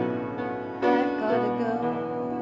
mbak desi nyanyi